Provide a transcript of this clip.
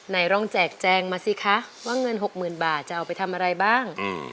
ไหนลองแจกแจงมาสิคะว่าเงิน๖๐๐๐บาทจะเอาไปทำอะไรบ้าง